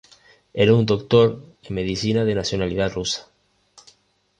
Era un doctor en medicina de nacionalidad rusa.